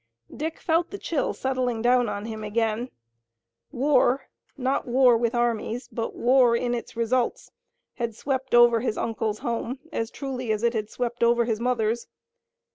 Dick felt the chill settling down on him again. War, not war with armies, but war in its results, had swept over his uncle's home as truly as it had swept over his mother's.